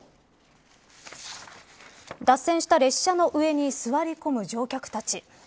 脱線した列車の上に座り込む乗客たち。